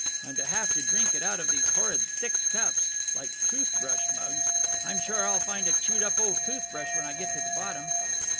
And to have to drink it out of these horrid thick cups like toothbrush mugs. I'm sure I'll find a chewed up old toothbrush when I get to the bottom."